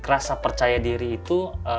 rasa percaya diri itu